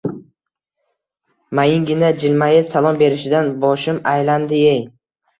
Mayingina jilmayib, salom berishidan boshim aylandi-ey